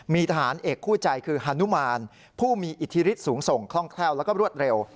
มีทหารเอกคู่ใจคือฮานุมานผู้มีอิทธิฤทธิสูงส่งคล่องแคล่วแล้วก็รวดเร็ว